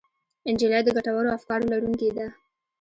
نجلۍ د ګټورو افکارو لرونکې ده.